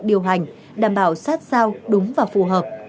điều hành đảm bảo sát sao đúng và phù hợp